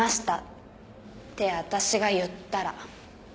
って私が言ったら。